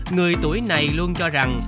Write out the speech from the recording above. người tuổi này luôn cho rằng